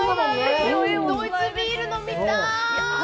ドイツビール飲みたーい！